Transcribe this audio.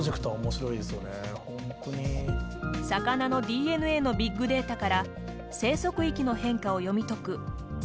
魚のＤＮＡのビッグデータから生息域の変化を読み解く世界初の環境